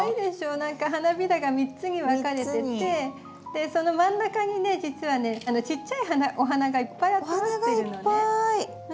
何か花びらが３つに分かれててその真ん中にね実はねちっちゃいお花がいっぱい集まってるのね。